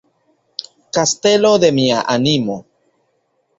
Kastelo de mia animo.